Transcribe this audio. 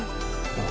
ああ。